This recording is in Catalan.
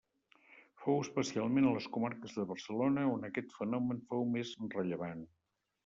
Fou especialment a les comarques de Barcelona on aquest fenomen fou més rellevant.